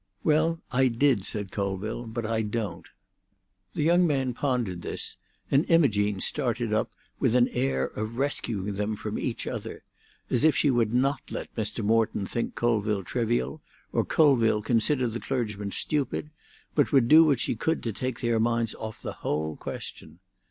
"Well, I did," said Colville, "but I don't." The young man pondered this, and Imogene started up with an air of rescuing them from each other—as if she would not let Mr. Morton think Colville trivial or Colville consider the clergyman stupid, but would do what she could to take their minds off the whole question.